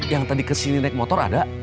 yang tadi kesini naik motor ada